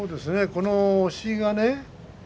この押しがね。